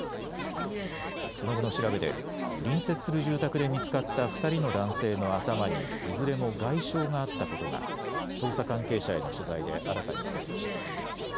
その後の調べで隣接する住宅で見つかった２人の男性の頭にいずれも外傷があったことが捜査関係者への取材で新たに分かりました。